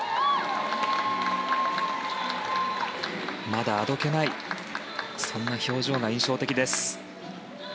まだあどけないそんな表情が印象的です。